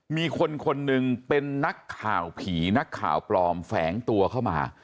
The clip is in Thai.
มีคนคนหนึ่งเป็นนักข่าวผีนักข่าวปลอมแฝงตัวเข้ามา